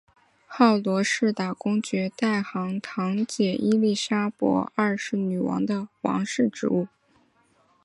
告罗士打公爵代行堂姐伊利莎伯二世女王的王室职务。